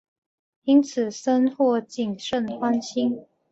因此深获景胜欢心。